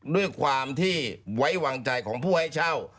ด้วยความที่ไว้วางใจของผู้ให้เช่า